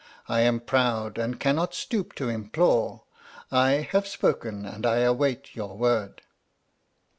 I am proud, and cannot stoop to implore. I have spoken and I await your word."